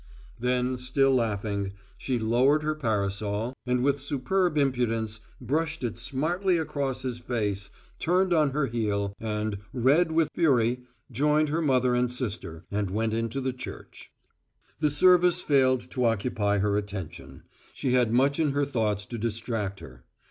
Then, still laughing, she lowered her parasol, and with superb impudence, brushed it smartly across his face; turned on her heel, and, red with fury, joined her mother and sister, and went into the church. The service failed to occupy her attention: she had much in her thoughts to distract her.